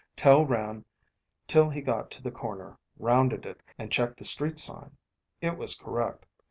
Tel ran till he got to the corner, rounded it, and checked the street sign. It was correct.